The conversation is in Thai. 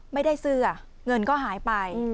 ไม่ได้เสื้อเงินก็หายไป